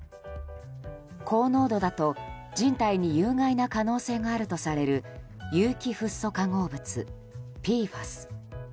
高濃度だと人体に有害な可能性があるとされる有機フッ素化合物・ＰＦＡＳ。